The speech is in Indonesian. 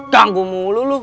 ganggu mulu lu